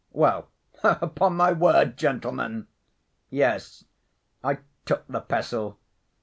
"Well, upon my word, gentlemen! Yes, I took the pestle....